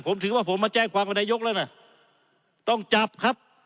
ผมถือว่าผมมาแจ้งความกับนายกแล้วนะต้องจับครับ